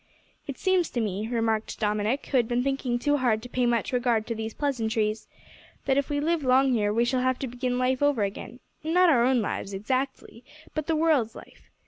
"It seems to me," remarked Dominick, who had been thinking too hard to pay much regard to these pleasantries, "that if we live long here we shall have to begin life over again not our own lives, exactly, but the world's life.